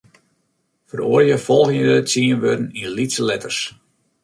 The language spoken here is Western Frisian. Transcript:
Feroarje folgjende tsien wurden yn lytse letters.